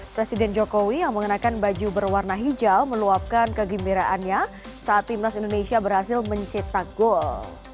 presiden jokowi yang mengenakan baju berwarna hijau meluapkan kegembiraannya saat timnas indonesia berhasil mencetak gol